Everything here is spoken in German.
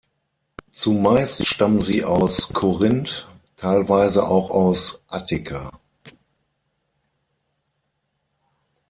Zumeist stammen sie aus Korinth, teilweise auch aus Attika.